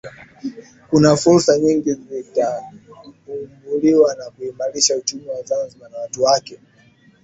kuna fursa nyingi zitaibuliwa na kuimarisha uchumi wa Zanzibar na watu wake